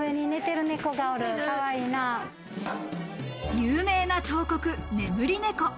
有名な彫刻、眠り猫。